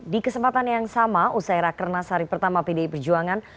di kesempatan yang sama usai rakernas hari pertama pdi perjuangan